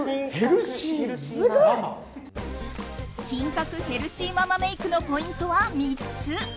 品格ヘルシーママメイクのポイントは３つ。